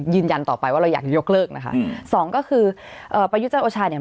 ยืนยันต่อไปว่าเราอยากยกเลิกนะคะอืมสองก็คือเอ่อประยุจันทร์โอชาเนี่ย